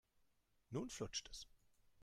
Nun flutscht es.